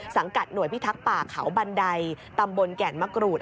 สังกัดหน่วยพิทักษ์ป่าเขาบันไดตำบลแก่นมะกรูด